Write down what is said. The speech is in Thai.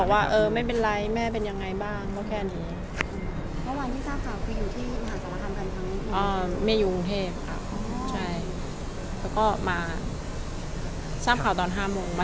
เวลาการคุยกับที่บ้านเขาก็คุยปกติเลยนะคะ